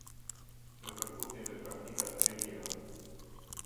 Në përputhje me praktikat e mira.